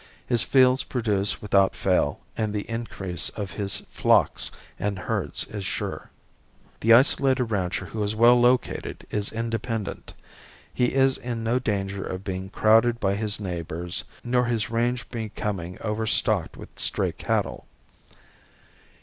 His fields produce without fail and the increase of his flocks and herds is sure. The isolated rancher who is well located is independent. He is in no danger of being crowded by his neighbors nor his range becoming over stocked with stray cattle.